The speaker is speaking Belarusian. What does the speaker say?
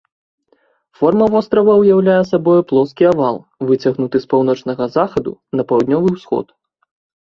Форма вострава ўяўляе сабою плоскі авал, выцягнуты з паўночнага захаду на паўднёвы ўсход.